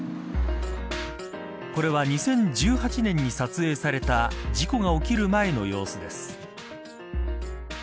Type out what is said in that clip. これは２０１８年に撮影された事故が起きる前の様子です。